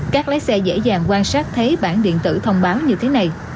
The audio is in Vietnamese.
các lái xe dễ dàng quan sát thấy bản điện tử thông báo như thế này